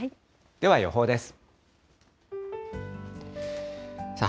では予報です。